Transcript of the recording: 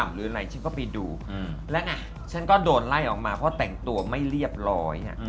หรืออะไรฉันก็ไปดูแล้วไงฉันก็โดนไล่ออกมาเพราะแต่งตัวไม่เรียบร้อย